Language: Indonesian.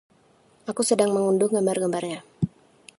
Aku sedang mengunduh gambar-gambarnya.